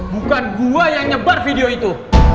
bukan gua yang nyebar video itu